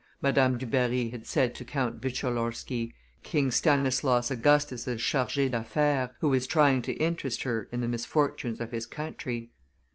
Madame Dubarry had said to Count Wicholorsky, King Stanislaus Augustus' charge d'affaires, who was trying to interest her in the misfortunes of his country.